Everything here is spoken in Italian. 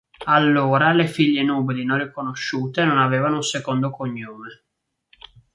Allora le figlie nubili non riconosciute non avevano un secondo cognome.